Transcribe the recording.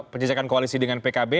penjejakan koalisi dengan pkb